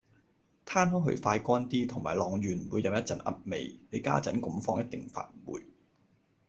攤開佢快乾啲，同埋晾完唔會有一陣噏味，你家陣咁樣放一定發霉